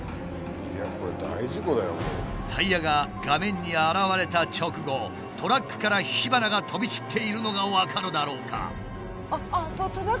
タイヤが画面に現れた直後トラックから火花が飛び散っているのが分かるだろうか？